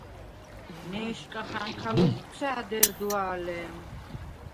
ნე̄შკახა̈ნქა ლოხვცა̄̈დ ერდვა̄ლე̄მ: